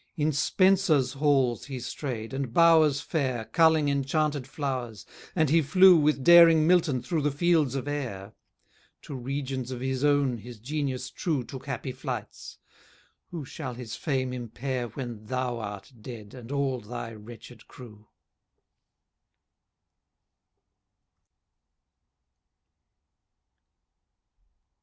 In Spenser's halls he strayed, and bowers fair, Culling enchanted flowers; and he flew With daring Milton through the fields of air: To regions of his own his genius true Took happy flights. Who shall his fame impair When thou art dead, and all thy wretched crew?